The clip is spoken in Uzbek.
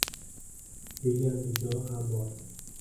degan iddao ham bor.